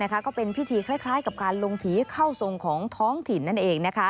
ก็เป็นพิธีคล้ายกับการลงผีเข้าทรงของท้องถิ่นนั่นเอง